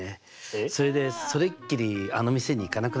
それでそれっきりあの店に行かなくなっちゃったんだな。